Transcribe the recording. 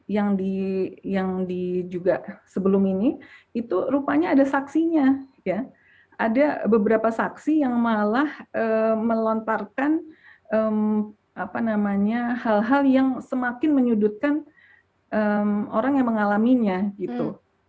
yang juga sebelum ini itu rupanya ada saksinya ya ada beberapa saksi yang malah melontarkan apa namanya hal hal yang semakin menyudutkan orang yang mengalaminya gitu